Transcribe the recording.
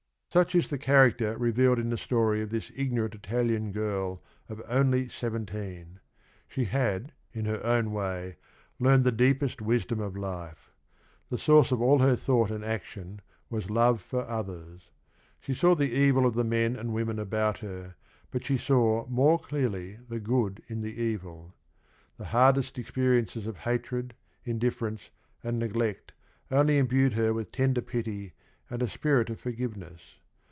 Such is the character revealed in the story of this ignorant Italian girl of "only seventeen." She had in her own way learned the deepest wisdom of life. The source of all her thought and action was love for others. She saw the evil of the men and women about her, but she saw more clearly the good in the evil. The hardest experiences of hatred, indifference, and neglect only imbued her with tender pity and a spirit of forgiveness.